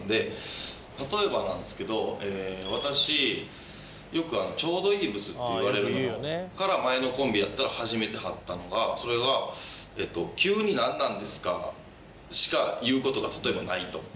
「私よくちょうどいいブスって言われるのよ」から前のコンビやったら始めてはったのがそれが「急になんなんですか？」しか言う事が例えばないと。